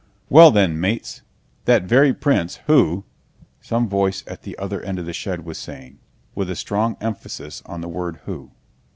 "Well, then, mates... that very prince who..." some voice at the other end of the shed was saying, with a strong emphasis on the word who.